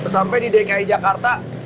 sampai di dki jakarta